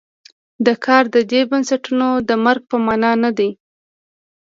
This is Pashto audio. دا کار د دې بنسټونو د مرګ په معنا نه دی.